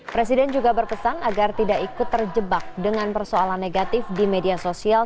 presiden juga berpesan agar tidak ikut terjebak dengan persoalan negatif di media sosial